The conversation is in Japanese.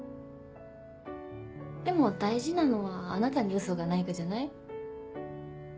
でも大事なのはあなたにウソがないかじゃない？